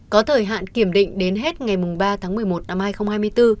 có thời hạn kiểm định đến hết ngày ba tháng một mươi một năm hai nghìn hai mươi bốn